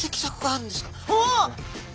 あっ！